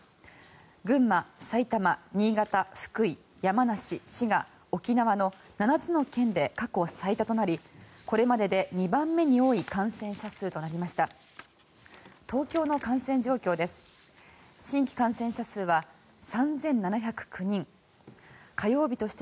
群馬、埼玉、新潟、福井山梨、滋賀、沖縄の７つの県で過去最多となりこれまでで２番目に多い感染者数となりました。